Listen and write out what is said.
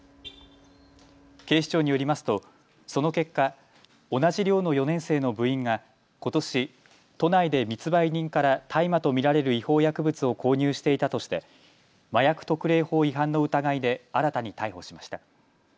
警視庁によりますとその結果、同じ寮の４年生の部員がことし、都内で密売人から大麻と見られる違法薬物を購入していたとして麻薬特例法違反の疑いで新たに逮捕しました。